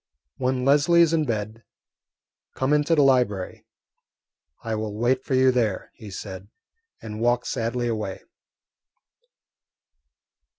"When Leslie is in bed, come into the library. I will wait for you there," he said, and walked sadly away.